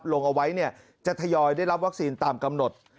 ลงเอาไว้จะทยอยได้รับวัคซีนตามกำหนด